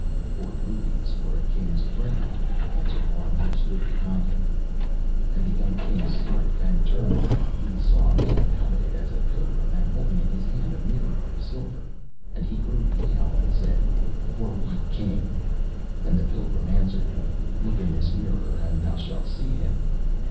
'For rubies for a king's crown,' answered one who stood behind him. And the young King started, and, turning round, he saw a man habited as a pilgrim and holding in his hand a mirror of silver. And he grew pale, and said: 'For what king?' And the pilgrim answered: 'Look in this mirror, and thou shalt see him.